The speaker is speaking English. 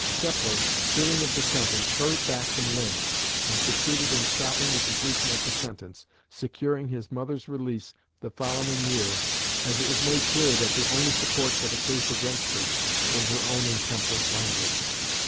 Kepler, hearing of the sentence, hurried back from Linz, and succeeded in stopping the completion of the sentence, securing his mother's release the following year, as it was made clear that the only support for the case against her was her own intemperate language.